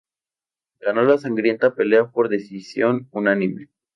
Ganó la sangrienta pelea por decisión unánime.